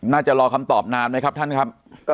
รอคำตอบนานไหมครับท่านครับ